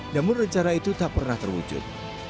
namun rencana itu tak pernah terwujud